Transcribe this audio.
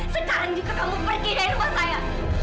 sekarang juga kamu pergi dari rumah saya